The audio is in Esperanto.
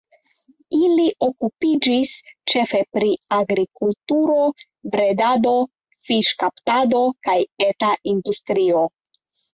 Ili okupiĝis ĉefe pri agrikulturo, bredado, fiŝkaptado kaj eta industrio.